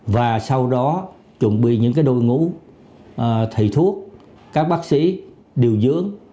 và sau đó chuẩn bị những cái đôi ngũ thầy thuốc các bác sĩ điều dưỡng